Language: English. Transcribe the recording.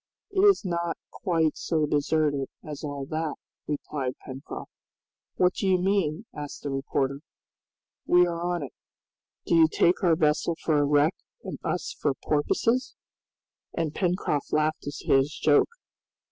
"It is not quite so deserted as all that," replied Pencroft. "What do you mean?" asked the reporter. "We are on it. Do you take our vessel for a wreck and us for porpoises?" And Pencroft laughed at his joke.